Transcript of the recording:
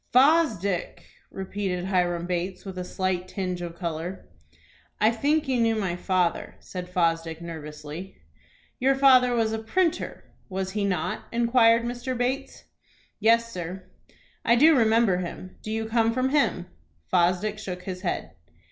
"Fosdick!" repeated Hiram Bates, with a slight tinge of color. "I think you knew my father," said Fosdick, nervously. "Your father was a printer, was he not?" inquired Mr. Bates. "Yes, sir." "I do remember him. Do you come from him?" Fosdick shook his head.